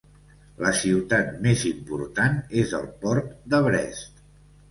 La ciutat més important és el port de Brest.